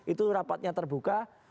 itu rapatnya terbuka